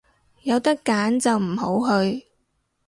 有得揀就唔好去